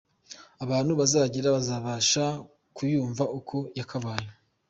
Abantu bazahagera bazabasha kuyumva uko yakabaye.